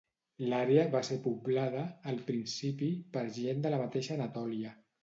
L'àrea va ser poblada, al principi, per gent de la mateixa Anatòlia.